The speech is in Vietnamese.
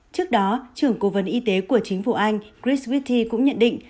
trước đó trưởng cố vấn y tế của chính phủ anh chris witti cũng nhận định